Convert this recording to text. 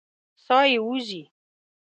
ساه یې وځي.